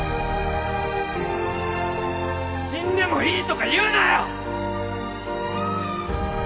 死んでもいいとか言うなよ！